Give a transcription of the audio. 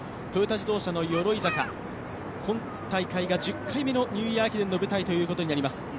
トヨタ自動車の鎧坂、今大会が１０回目のニューイヤー駅伝の舞台となります。